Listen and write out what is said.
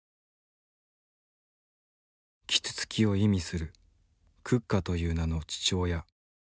キツツキを意味するクッカという名の父親。